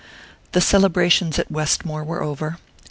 XXXI THE celebrations at Westmore were over.